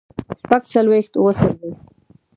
شپږ څلوېښت اووه څلوېښت